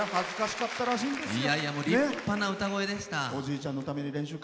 立派な歌声でした。